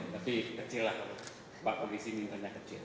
tapi kecil lah kalau pak polisi mintanya kecil